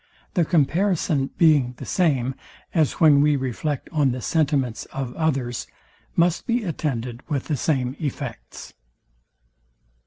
The comparison being the same, as when we reflect on the sentiments of others, must be attended with the same effects.